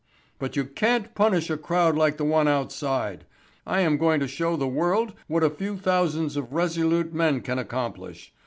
But you can't punish a crowd like the one outside. I am going to show the world what a few thousands of resolute men can accomplish.